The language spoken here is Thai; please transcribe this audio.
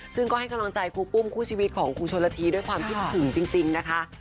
ซึ่งก็ให้กำลังใจครูปุ้มคู่ชีวิตของครูชนละทีด้วยความคิดถึงจริงนะคะ